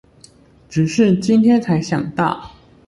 只是今天才想到